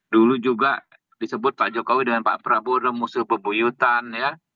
dulu juga disebut pak jokowi dengan pak prabowo ada musuh bebuyutan ya